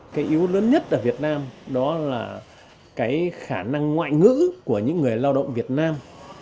cái yếu lớn nhất ở việt nam đó là cái khả năng ngoại ngữ của những người lao động việt nam